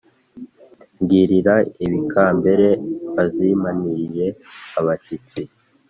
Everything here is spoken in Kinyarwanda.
mbwirira abikambere bazimanirire abashyitsi